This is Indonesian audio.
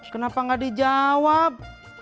kenapa gak dijawab